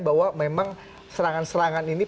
bahwa memang serangan serangan ini